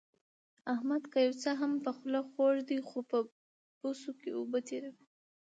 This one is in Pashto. احمد که څه هم په خوله خوږ دی، خو په بوسو کې اوبه تېروي.